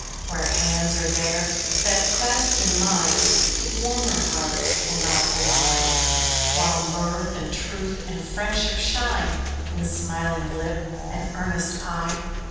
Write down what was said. Warm hands are there, that, clasped in mine, The warmer heart will not belie; While mirth and truth, and friendship shine In smiling lip and earnest eye.